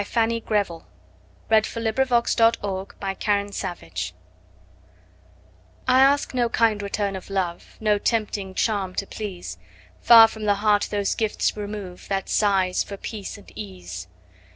Fanny Greville. 18th Cent. 475. Prayer for Indifference I ASK no kind return of love, No tempting charm to please; Far from the heart those gifts remove, That sighs for peace and ease.